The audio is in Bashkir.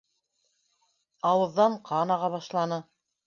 Ауыҙҙан ҡан аға башланы.